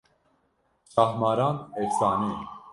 Şahmaran efsane ye